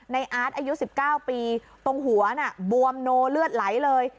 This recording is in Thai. อาร์ตอายุ๑๙ปีตรงหัวน่ะบวมโนเลือดไหลเลย